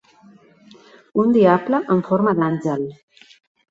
Un diable en forma d'àngel.